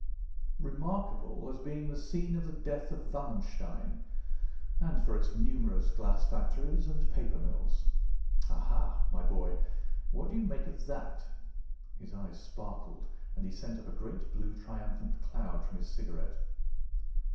'Remarkable as being the scene of the death of Wallenstein, and for its numerous glass factories and paper mills.' Ha, ha, my boy, what do you make of that?" His eyes sparkled, and he sent up a great blue triumphant cloud from his cigarette.